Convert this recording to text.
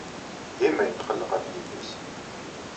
Dima yetqelleq ɣef yelli-s.